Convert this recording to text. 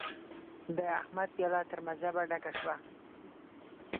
د احمد پياله تر مذهبه ډکه شوه.